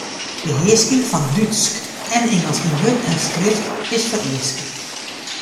Behearsking fan Dútsk en Ingelsk yn wurd en skrift is fereaske.